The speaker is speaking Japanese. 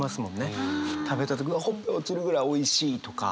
食べた時「ほっぺが落ちるぐらいおいしい」とか。